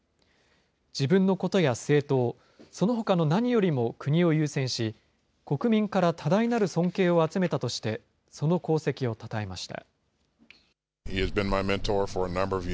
自分のことや政党、そのほかの何よりも国を優先し、国民から多大なる尊敬を集めたとして、その功績をたたえました。